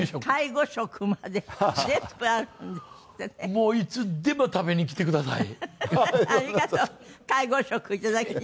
もういつでも食べに来てください。